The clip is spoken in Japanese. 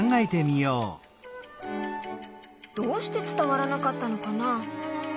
どうしてつたわらなかったのかな？